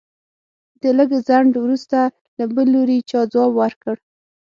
د لږ ځنډ وروسته له بل لوري چا ځواب ورکړ.